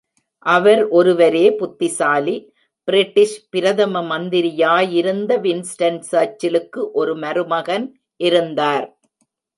அவர் ஒருவரே புத்திசாலி பிரிட்டிஷ் பிரதம மந்திரியாயிருந்த வின்ஸ்டன் சர்ச்சிலுக்கு ஒரு மருமகன் இருந்தார்.